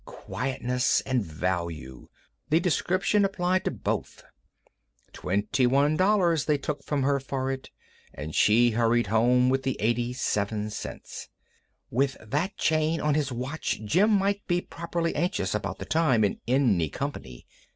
Quietness and value—the description applied to both. Twenty one dollars they took from her for it, and she hurried home with the 87 cents. With that chain on his watch Jim might be properly anxious about the time in any company.